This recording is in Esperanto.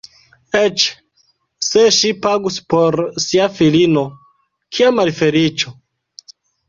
Eĉ se ŝi pagus por sia filino, kia malfeliĉo!